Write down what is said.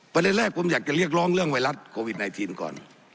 ประเด็นแรกผมอยากจะเรียกร้องเรื่องไวรัสโควิด๑๙ก่อน